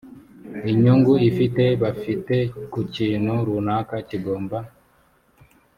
inyungu ifite bafite ku kintu runaka kigomba